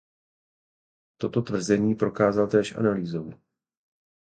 Toto tvrzení prokázal též analýzou.